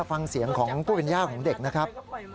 ฟังเสียงของผู้เป็นย่าของเด็กนะครับ